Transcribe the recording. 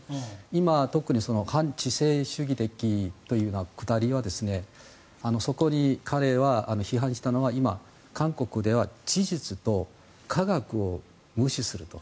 今、特に反知性主義的というくだりはそこに彼は批判したのは今、韓国では事実と科学を無視すると。